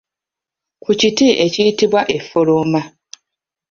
Ku kiti ekiyitibwa effolooma.